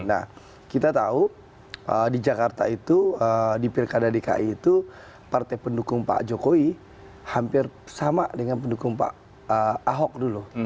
nah kita tahu di jakarta itu di pilkada dki itu partai pendukung pak jokowi hampir sama dengan pendukung pak ahok dulu